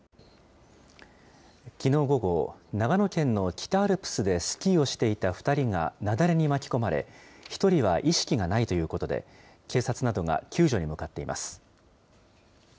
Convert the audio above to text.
きのう午後、長野県の北アルプスでスキーをしていた２人が雪崩に巻き込まれ、１人は意識がないということで、警察などが救助に向かっています。